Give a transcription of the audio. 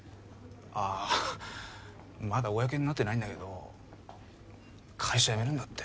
あっまだ公になってないんだけど会社辞めるんだって。